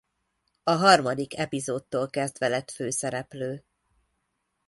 A harmadik epizódtól kezdve lett főszereplő.